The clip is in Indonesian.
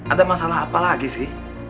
ada masalah apa lagi sih